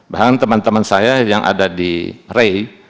bahkan teman teman saya yang ada di ray